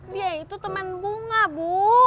dia itu teman bunga bu